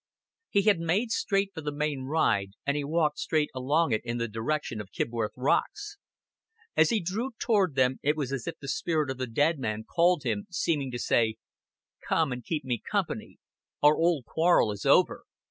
He had made straight for the main ride, and he walked straight along it in the direction of Kibworth Rocks. As he drew toward them it was as if the spirit of the dead man called him, seeming to say: "Come and keep me company. Our old quarrel is over.